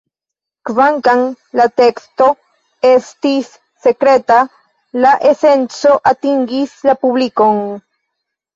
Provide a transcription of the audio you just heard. Kvankam la teksto estis sekreta, la esenco atingis la publikon.